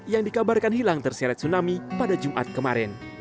yang dikabarkan hilang terseret tsunami pada jumat kemarin